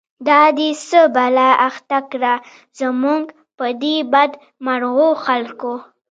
دا دی څه بلا اخته کړه، زمونږ په دی بد مرغوخلکو